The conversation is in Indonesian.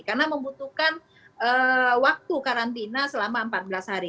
karena membutuhkan waktu karantina selama empat belas hari